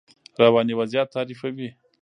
رواني وضعیت تعریفوي.